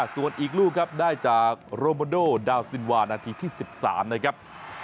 ส่วนอีกลูกครับได้จากโรโมโดดาวซินวานาทีที่๑๓นะครับ